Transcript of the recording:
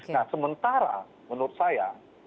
nah sementara menurut saya